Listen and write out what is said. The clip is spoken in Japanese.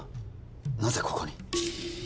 なぜここに？